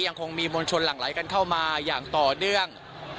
ยังคงมีมวลชนหลั่งไหลกันเข้ามาอย่างต่อเนื่อง